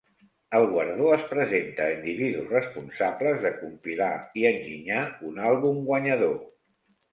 El guardó es presenta a individus responsables de compilar i enginyar un àlbum guanyador.